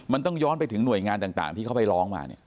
มันต้องย้อนไปถึงหน่วยงานต่างที่เขาไปร้องมา